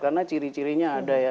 karena ciri cirinya ada ya